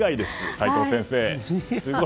齋藤先生。